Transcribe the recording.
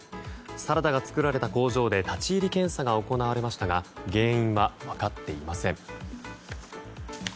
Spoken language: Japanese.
サラダが作られた工場で立ち入り検査が行われましたが原因は分かっていません。